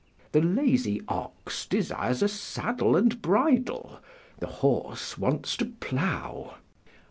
["The lazy ox desires a saddle and bridle; the horse wants to plough."